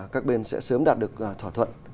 các bên sẽ sớm đạt được thỏa thuận